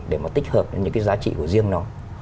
để mà tích hợp những cái giá trị của riêng nó